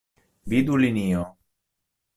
Vidu linio.